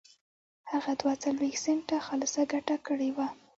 هغه دوه څلوېښت سنټه خالصه ګټه کړې وه